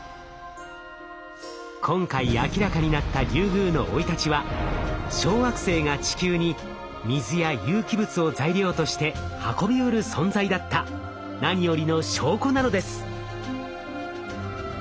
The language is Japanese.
今回明らかになったリュウグウの生い立ちは小惑星が地球に水や有機物を材料として運びうる存在だった何よりの証拠なのです。